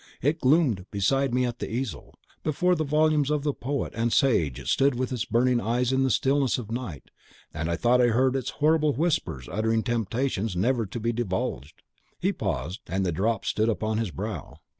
It gloomed beside me at the easel. Before the volumes of poet and sage it stood with its burning eyes in the stillness of night, and I thought I heard its horrible whispers uttering temptations never to be divulged." He paused, and the drops stood upon his brow.